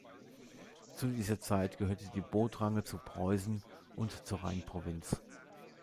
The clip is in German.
Zu dieser Zeit gehörte die Botrange zu Preußen und zur Rheinprovinz.